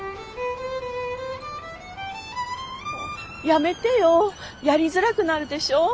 やめてよやりづらくなるでしょ。